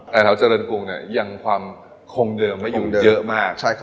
แต่แถวเจริญกรุงยังความคงเดิมไม่อยู่เยอะมาก